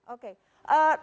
oke terima kasih pak